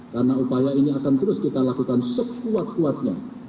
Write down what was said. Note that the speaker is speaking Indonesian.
karena upaya ini akan terus kita lakukan sekuat kuatnya